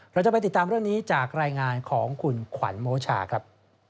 เราจะไปติดตามเรื่องนี้จากรายงานของคุณขวัญโมชาครับ